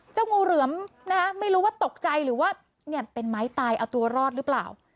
งูเหลือมนะคะไม่รู้ว่าตกใจหรือว่าเนี่ยเป็นไม้ตายเอาตัวรอดหรือเปล่า